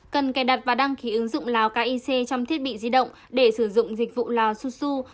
cần cài đặt và đăng ký ứng dụng lào cai trong thiết bị di động để sử dụng dịch vụ lò susu